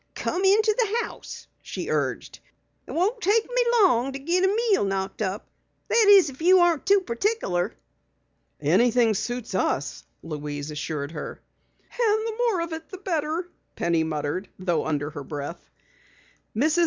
"Come into the house," she urged. "It won't take me long to git a meal knocked up. That is, if you ain't too particular." "Anything suits us," Louise assured her. "And the more of it, the better," Penny muttered, though under her breath. Mrs.